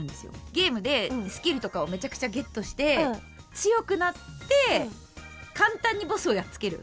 ゲームでスキルとかをめちゃくちゃゲットして強くなって簡単にボスをやっつける。